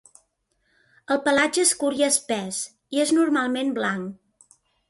El pelatge és curt i espès, i és normalment blanc.